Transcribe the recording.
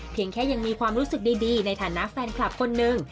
แค่ยังมีความรู้สึกดีในฐานะแฟนคลับคนหนึ่ง